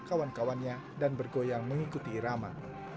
kawan kawannya dan bergoyang mengikuti irama